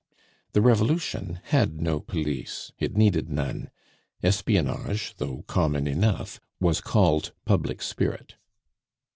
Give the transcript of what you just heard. The Revolution had no police; it needed none. Espionage, though common enough, was called public spirit.